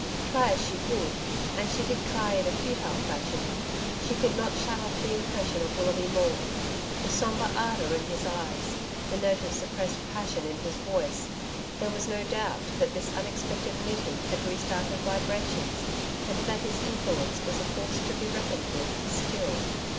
Try as she would and she did try in a futile fashion she could not shut off the impression of Willoughby Maule the sombre ardour in his eyes, the note of suppressed passion in his voice. There was no doubt that this unexpected meeting had restarted vibrations, and that his influence was a force to be reckoned with still.